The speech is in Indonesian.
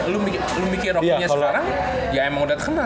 lu mikir rocky nya sekarang ya emang udah kenal